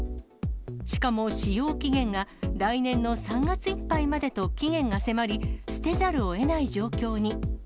しかも使用期限が来年の３月いっぱいまでと期限が迫り、捨てざるをえない状況に。